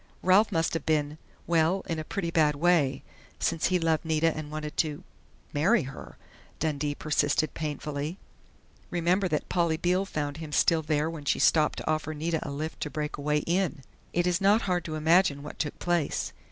"Ralph must have been well, in a pretty bad way, since he loved Nita and wanted to marry her," Dundee persisted painfully. "Remember that Polly Beale found him still there when she stopped to offer Nita a lift to Breakaway Inn. It is not hard to imagine what took place.